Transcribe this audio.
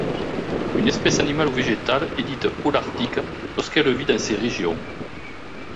Une espèce animale ou végétale est dite holarctique lorsqu'elle vit dans ces régions.